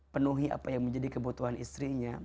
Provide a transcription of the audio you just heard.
penuhi apa yang menjadi kebutuhan istrinya